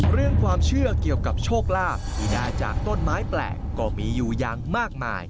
เรื่องความเชื่อเกี่ยวกับโชคลาภที่ได้จากต้นไม้แปลกก็มีอยู่อย่างมากมาย